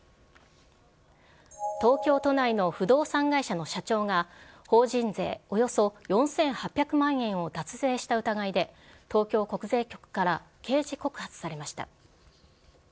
東京都内の不動産会社の社長が、法人税およそ４８００万円を脱税した疑いで、東京国税局から刑事告発されました。